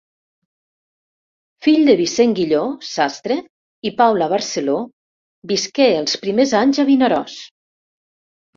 Fill de Vicent Guilló, sastre, i Paula Barceló, visqué els primers anys a Vinaròs.